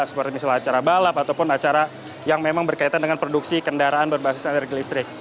seperti misalnya acara balap ataupun acara yang memang berkaitan dengan produksi kendaraan berbasis energi listrik